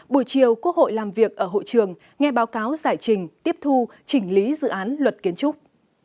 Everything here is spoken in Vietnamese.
buổi chiều quốc hội làm việc ở hội trường nghe báo cáo giải trình tiếp thu chỉnh lý dự án luật kiến trúc